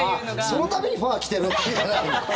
そのためにファー着てる？